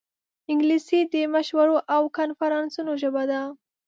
انګلیسي د مشورو او کنفرانسونو ژبه ده